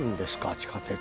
地下鉄は。